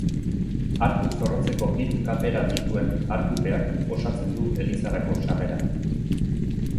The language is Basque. Arku zorrotzeko hiru kapera dituen arkupeak osatzen du elizarako sarrera.